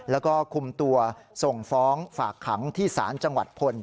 แล้วก็คุมตัวส่งฟ้องฝากขังที่ศาลจังหวัดพล